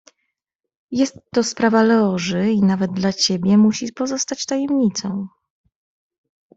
"Jest to sprawa Loży i nawet dla ciebie musi pozostać tajemnicą."